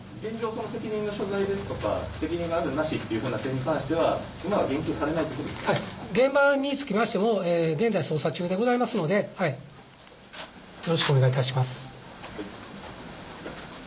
その責任の所在ですとか、責任があるなしという点に関しては今は言及されないということで現場につきましても、現在、捜査中でございますので、よろしくお願いいたします。